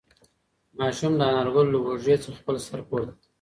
ماشوم د انارګل له اوږې څخه خپل سر پورته کړ.